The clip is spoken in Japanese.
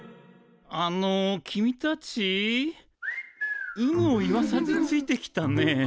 あの君たち有無を言わさずついてきたね。